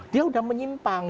dia udah menyimpang